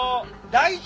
大地！